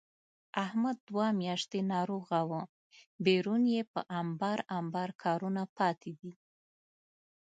احمد دوه میاشتې ناروغه و، بېرون یې په امبار امبار کارونه پاتې دي.